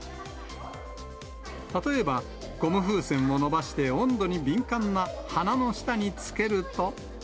例えば、ゴム風船を伸ばして温度に敏感な鼻の下につけると。